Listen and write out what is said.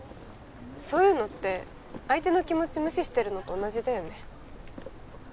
そういうのって相手の気持ち無視してるのと同じだよね